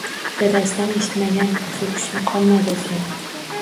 Dadasidan eshitmagan so`kishim qolmadi, o`ziyam